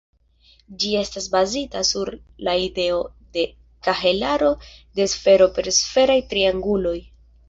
Ĝi estas bazita sur la ideo de kahelaro de sfero per sferaj trianguloj.